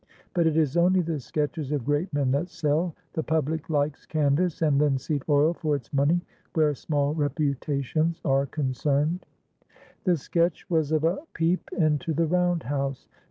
But it is only the sketches of great men that sell. The public likes canvas and linseed oil for its money, where small reputations are concerned." The sketch was of a peep into the round house.